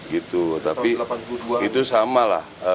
gitu tapi itu sama lah